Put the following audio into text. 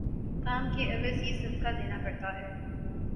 کام کے عوض یہ صدقہ دینا پڑتا ہے۔